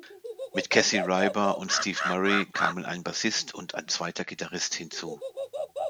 Mit Casey Ryba und Steve Murray kamen ein Bassist und ein zweiter Gitarrist hinzu.